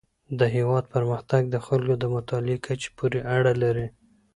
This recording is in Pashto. د هیواد پرمختګ د خلکو د مطالعې کچې پورې اړه لري.